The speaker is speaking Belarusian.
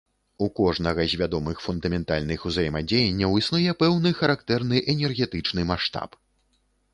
У кожнага з вядомых фундаментальных узаемадзеянняў існуе пэўны характэрны энергетычны маштаб.